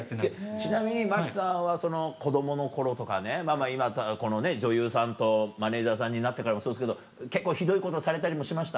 ちなみに真木さんは子供の頃とか今だったら女優さんとマネージャーさんになってからもそうですけど結構ひどいことされたりもしました？